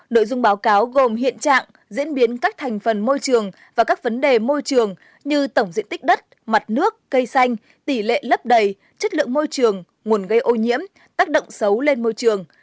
nội dung báo cáo gồm hiện trạng diễn biến các thành phần môi trường và các vấn đề môi trường như tổng diện tích đất mặt nước cây xanh tỷ lệ lấp đầy chất lượng môi trường nguồn gây ô nhiễm tác động xấu lên môi trường